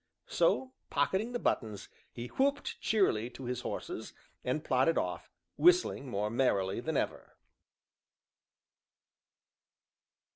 So, pocketing the buttons, he whooped cheerily to his horses, and plodded off, whistling more merrily than ever.